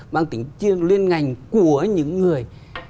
bằng tính liên ngành của những người